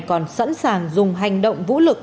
còn sẵn sàng dùng hành động vũ lực